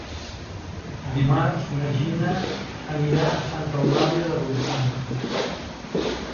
Dimarts na Gina anirà a Santa Eulàlia de Ronçana.